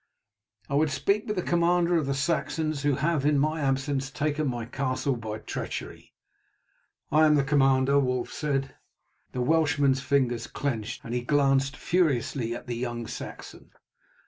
"I would speak with the commander of the Saxons who have, in my absence, taken my castle by treachery." "I am the commander," Wulf said. The Welshman's fingers clenched, and he glanced furiously at the young Saxon.